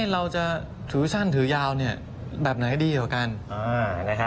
เราจะถือสั้นถือยาวแบบไหนดีกว่ากัน